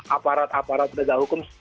aparat aparat rada hukum